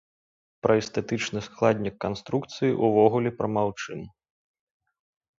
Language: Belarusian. Пра эстэтычны складнік канструкцыі ўвогуле прамаўчым.